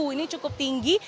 ini cukup tinggi